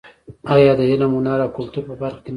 آیا د علم، هنر او کلتور په برخه کې نه دی؟